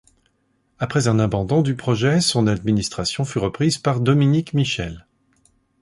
Après un abandon du projet, son administration fut reprise par Dominique Michel.